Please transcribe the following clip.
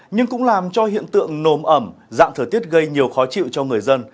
nhưng cũng làm cho hiện tượng nồm ẩm dạng thời tiết gây nhiều khó chịu cho người dân